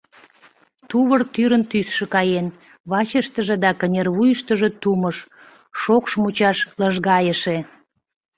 Тувыр тӱрын тӱсшӧ каен, вачыштыже да кынервуйыштыжо тумыш, шокш мучаш лыжгайыше.